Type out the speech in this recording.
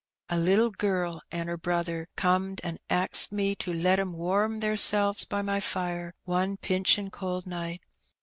A little girl an' her brother comed an' axed me to let 'em warm theirselves by my fire one pinchin' cold night.